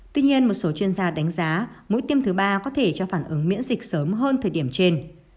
tuy nhiên một số chuyên gia đánh giá mũi tiêm thứ ba có thể cho phản ứng miễn dịch sớm hơn thời điểm trên